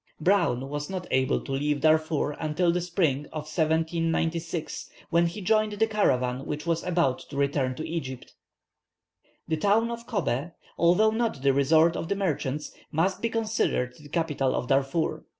Browne was not able to leave Darfur till the spring of 1796, when he joined the caravan which was about to return to Egypt. The town of Cobbeh, although not the resort of the merchants, must be considered the capital of Darfur.